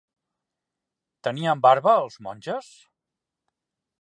Tenien barba els monges?